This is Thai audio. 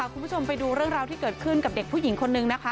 คุณผู้ชมไปดูเรื่องราวที่เกิดขึ้นกับเด็กผู้หญิงคนนึงนะคะ